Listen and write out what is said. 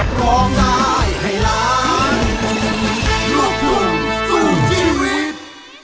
กลัวรักสุดหักให้รัก